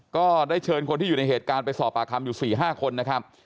ก็ได้เชิญคนที่อยู่ในเหตุการณ์ไปสอบปากคำอยู่๔๕คนนะครับ